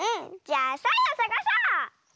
じゃあサイをさがそう！